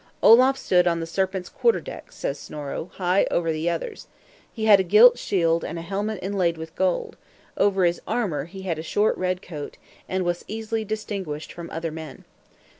"Olaf stood on the Serpent's quarter deck," says Snorro, "high over the others. He had a gilt shield and a helmet inlaid with gold; over his armor he had a short red coat, and was easily distinguished from other men."